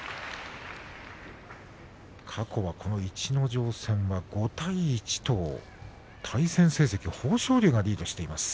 過去は、この逸ノ城戦は５対１と対戦成績は豊昇龍がリードしています。